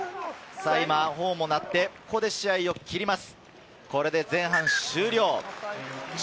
ホーンが鳴って、ここで試合が切れます。